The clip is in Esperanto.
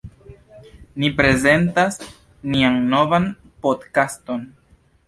Ni prezentas nian novan podkaston.